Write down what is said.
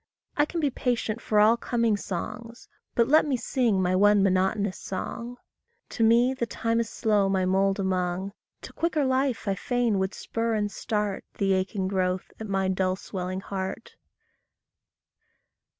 I can be patient for all coming songs, But let me sing my one monotonous song. To me the time is slow my mould among; To quicker life I fain would spur and start The aching growth at my dull swelling heart.